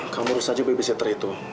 kamu urus aja babysitter itu